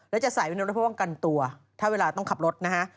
แล้วจะใส่วินรถเพื่อป้องกันตัวถ้าเวลาต้องขับรถนะฮะ